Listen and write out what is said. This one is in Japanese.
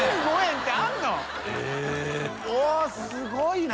すごいね。